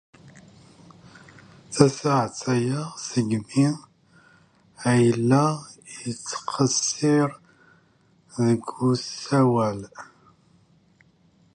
Tasaɛet aya seg mi ay la yettqeṣṣir deg usawal.